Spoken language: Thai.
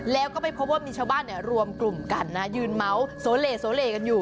แล้วก็ไปพบว่ามีชาวบ้านรวมกลุ่มกันนะยืนเมาส์โสเลโสเลกันอยู่